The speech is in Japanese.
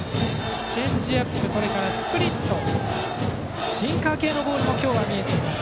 チェンジアップそれからスプリットシンカー系のボールも今日は見えています。